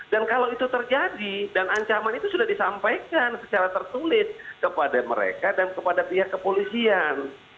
dan kalau itu terjadi dan ancaman itu sudah disampaikan secara tertulis kepada mereka dan kepada pihak kepolisian